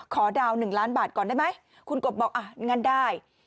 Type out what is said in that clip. ดาวน๑ล้านบาทก่อนได้ไหมคุณกบบอกอ่ะงั้นได้